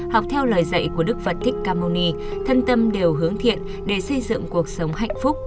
học theo lời dạy của đức phật thích ca momi thân tâm đều hướng thiện để xây dựng cuộc sống hạnh phúc